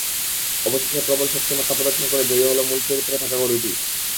অবশেষে প্রবল শক্তিমত্তা প্রদর্শন করে জয়ী হলো মূল চরিত্রে থাকা গরুটি।